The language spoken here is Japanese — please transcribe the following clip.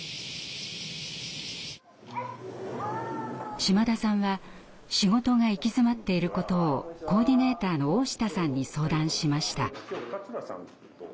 島田さんは仕事が行き詰まっていることをコーディネーターの大下さんに相談しました。